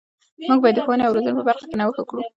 موږ باید د ښوونې او روزنې په برخه کې نوښت وکړو.